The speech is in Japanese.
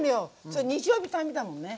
それ日曜日のたんびだもんね。